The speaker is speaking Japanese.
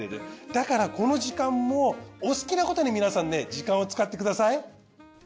だからこの時間もお好きなことに皆さんね時間を使ってください。